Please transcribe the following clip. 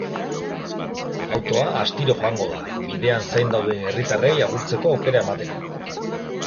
Autoa astiro joango da, bidean zain dauden herritarrei agurtzeko aukera emateko.